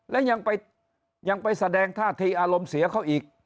และยังไปแสดงท่าทีอารมณ์เสียเขาอีก